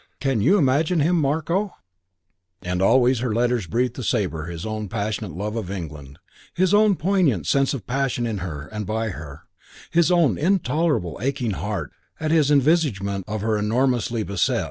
"Can't you imagine him, Marko?" II And always her letters breathed to Sabre his own passionate love of England, his own poignant sense of possession in her and by her, his own intolerable aching at the heart at his envisagement of her enormously beset.